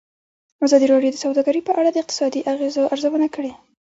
ازادي راډیو د سوداګري په اړه د اقتصادي اغېزو ارزونه کړې.